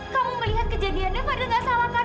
kamu melihat kejadiannya fadil nggak salah kan milla